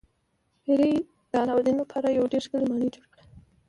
پیري د علاوالدین لپاره یوه ډیره ښکلې ماڼۍ جوړه کړه.